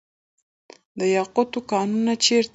د یاقوتو کانونه چیرته دي؟